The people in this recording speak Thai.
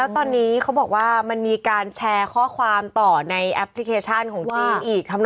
ต้องตรวจสอบทุกหน่วยงาน